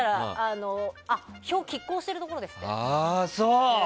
票が拮抗しているところですね。